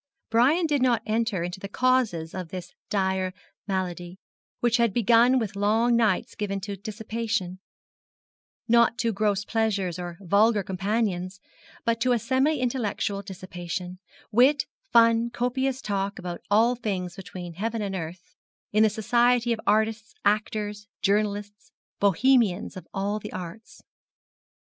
Brian did not enter into the causes of this dire malady, which had begun with long nights given to dissipation not to gross pleasures or vulgar companions, but to a semi intellectual dissipation: wit, fun, copious talk about all things between heaven and earth, in the society of artists, actors, journalists, Bohemians of all the arts.